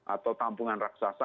atau tampungan raksasa